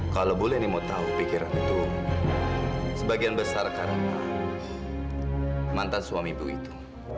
kalau bu leni mau tahu pikiran itu sebagian besar karena mantan suami bu itu